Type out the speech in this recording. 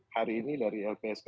hari ini dari lpsk